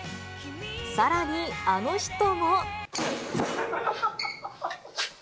さらにあの人も。